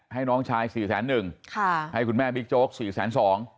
ให้น้องชายสี่แสนหนึ่งค่ะให้คุณแม่บิ๊กโจ๊กสี่แสนสอง